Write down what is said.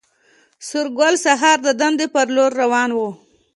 سورګل سهار د دندې پر لور روان و